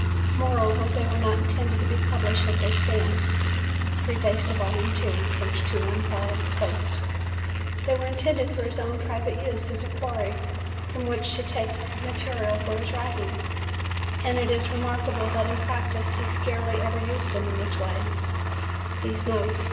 Moreover they were not intended to be published as they stand ("Preface to Vol. II," p. 215 post), they were intended for his own private use as a quarry from which to take material for his writing, and it is remarkable that in practice he scarcely ever used them in this way ("These Notes," p.